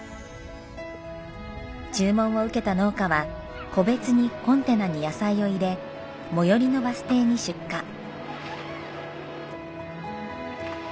注文を受けた農家は個別にコンテナに野菜を入れ最寄りのバス停に出荷。